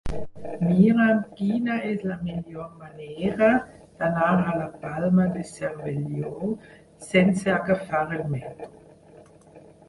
Mira'm quina és la millor manera d'anar a la Palma de Cervelló sense agafar el metro.